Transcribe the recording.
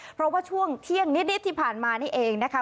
เพราะว่าช่วงเที่ยงนิดที่ผ่านมานี่เองนะคะ